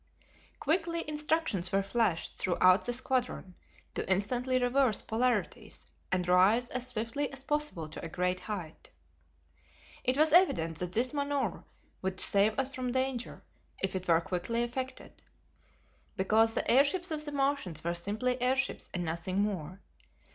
Quickly instructions were flashed throughout the squadron to instantly reverse polarities and rise as swiftly as possible to a great height. It was evident that this manoeuvre would save us from danger if it were quickly effected, because the airships of the Martians were simply airships and nothing more.